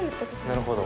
なるほど。